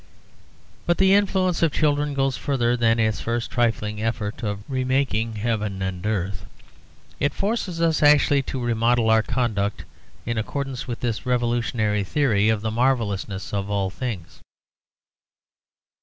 But the influence of children goes further than its first trifling effort of remaking heaven and earth. It forces us actually to remodel our conduct in accordance with this revolutionary theory of the marvellousness of all things.